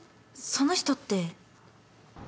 その人って？